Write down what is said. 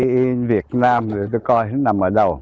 mây việt nam tôi coi nó nằm ở đâu